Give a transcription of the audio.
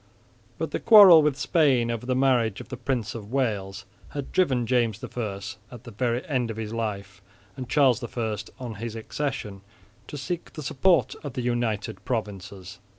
But the quarrel with Spain over the marriage of the Prince of Wales had driven James I at the very end of his life, and Charles I on his accession, to seek the support of the United Provinces.